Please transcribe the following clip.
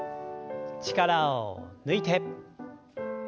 力を抜いて。